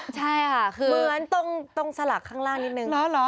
ใช่ค่ะคือเหมือนตรงสลักข้างล่างนิดนึง